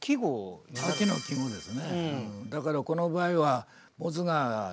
秋の季語ですね。